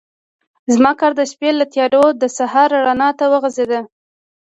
زما کار د شپې له تیارو د سهار رڼا ته وغځېد.